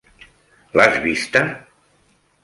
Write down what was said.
L'has vista?